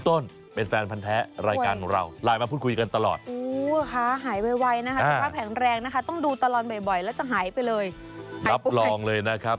ถ้าดูตลอดข่าวแล้วไม่ได้เจอน้องใบตองเนี่ยก็หายครับ